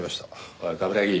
おい冠城